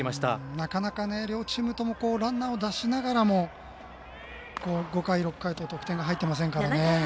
なかなか両チームともランナーを出しながらも５回、６回と得点が入っていませんからね。